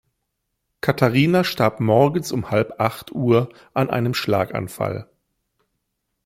Katharina starb morgens um halb acht Uhr an einem Schlaganfall.